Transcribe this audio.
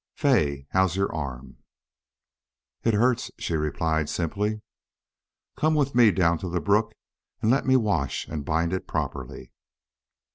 Fay, how's your arm?" "It hurts," she replied, simply. "Come with me down to the brook and let me wash and bind it properly."